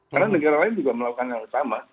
karena negara lain juga melakukan hal yang sama